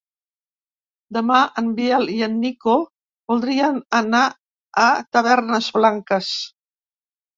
Demà en Biel i en Nico voldrien anar a Tavernes Blanques.